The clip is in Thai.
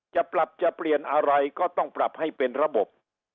จะปรับจะเปลี่ยนอะไรก็ต้องปรับให้เป็นระบบ